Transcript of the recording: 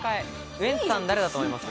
ウエンツさん、誰だと思います？